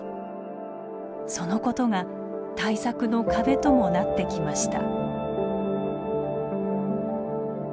そのことが対策の壁ともなってきました。